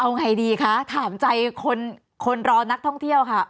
เอาไงดีคะถามใจคนรอนักท่องเที่ยวค่ะ